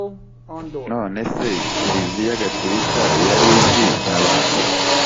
none se kiliziya gaturika yari izwi na ba nde’